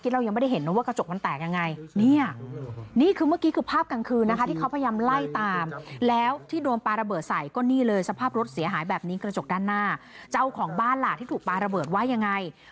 แล้วขนาดที่ถูกปลาระเบิร์ตตอนนั้น